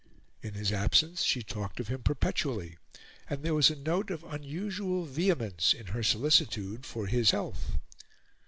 In his absence, she talked of him perpetually, and there was a note of unusual vehemence in her solicitude for his health.